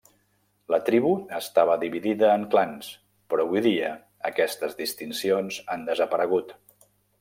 La tribu estava dividida en clans, però avui dia aquestes distincions han desaparegut.